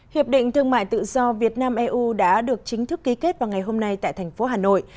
hiệp định thương mại tự do việt nam eu đã được chính thức ký kết vào ngày hôm nay tại thành phố hà nội